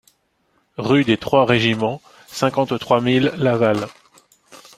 Rue des Trois Régiments, cinquante-trois mille Laval